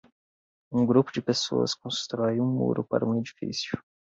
Um grupo de pessoas constrói um muro para um edifício